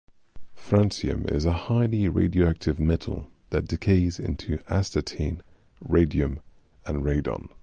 Francium is a highly radioactive metal that decays into astatine, radium, and radon.